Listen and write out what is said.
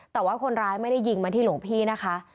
แต่ว่าคนร้ายไม่ได้ยิงมาที่หลวงพี่นะคะ